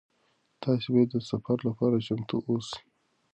تاسي باید د سفر لپاره چمتو اوسئ.